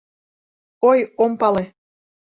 Ой, ом пале.